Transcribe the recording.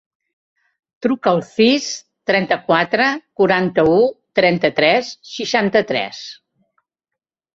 Truca al sis, trenta-quatre, quaranta-u, trenta-tres, seixanta-tres.